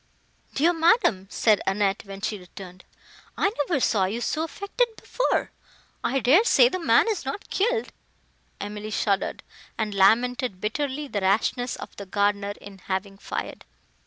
"Dear madam," said Annette, when she returned, "I never saw you so affected before! I dare say the man is not killed." Emily shuddered, and lamented bitterly the rashness of the gardener in having fired.